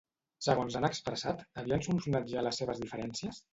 Segons han expressat, havien solucionat ja les seves diferències?